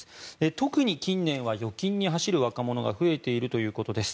特に近年は預金に走る若者が増えているということです。